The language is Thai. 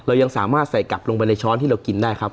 เรายังสามารถใส่กลับลงไปในช้อนที่เรากินได้ครับ